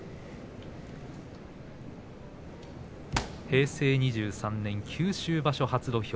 平成２３年九州場所初土俵